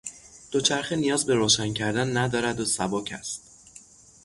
دوچرخه نیاز به روشن کردن ندارد و سبک است.